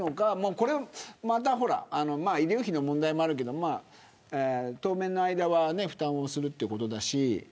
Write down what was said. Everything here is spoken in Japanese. これは、また医療費の問題もあるけど当面の間は負担をするということだし。